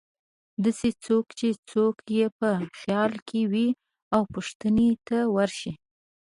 داسې څوک چې څوک یې په خیال کې وې او پوښتنې ته ورشي.